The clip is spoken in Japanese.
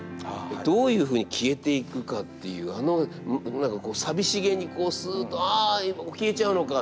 どういうふうに消えていくかっていうあの何か寂しげにすっとああ消えちゃうのか。